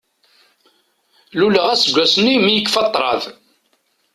Luleɣ aseggas-nni mi yekfa ṭṭraḍ.